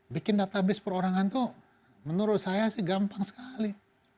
bikin database perorangan itu menurut saya sih gampang sekali